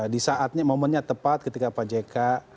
di saatnya momennya tepat ketika pak jk